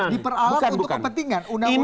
diperalat untuk kepentingan